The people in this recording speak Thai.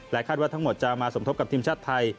คาดว่าทั้งหมดจะมาสมทบกับทีมชาติไทย